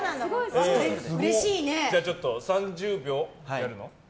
じゃあちょっと３０秒やるの？